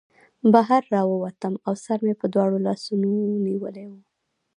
بهر راووتم او سر مې په دواړو لاسونو نیولی و